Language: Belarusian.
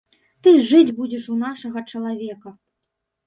Ты жыць будзеш у нашага чалавека.